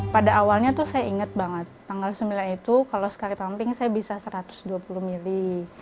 pada awalnya tuh saya ingat banget tanggal sembilan itu kalau sekali pumping saya bisa satu ratus dua puluh mili